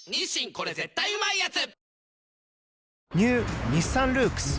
これ絶対うまいやつ」